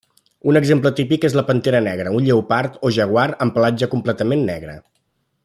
Un exemple típic és la 'pantera negra': un lleopard o jaguar amb pelatge completament negre.